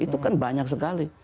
itu kan banyak sekali